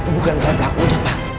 bukan saya pelakunya pak